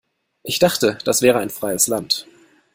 Ich dachte, das wäre ein freies Land.